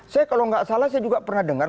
saya kalau nggak salah saya juga pernah dengar